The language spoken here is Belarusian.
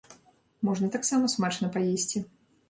Можна таксама смачна паесці.